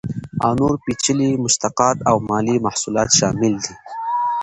او نور پیچلي مشتقات او مالي محصولات شامل دي.